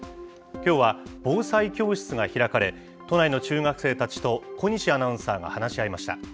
きょうは防災教室が開かれ、都内の中学生たちと小西アナウンサーが話し合いました。